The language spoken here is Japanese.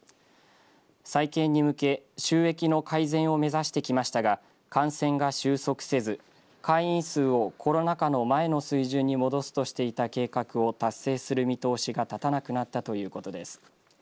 再建に向け収益の改善を目指してきましたが感染が収束せず、会員数をコロナ禍の前の水準に戻すとしていた計画を達成する見通しがたたなくなったということです。